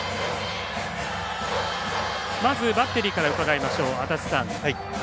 まずバッテリーからうかがいましょう。